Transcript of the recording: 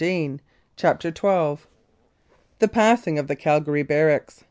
125 CHAPTER XII THE PASSING OF THE CALGARY BARRACKS.